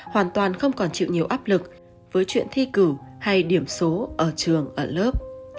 hoàn toàn không còn chịu nhiều áp lực với chuyện thi cử hay điểm số ở trường ở lớp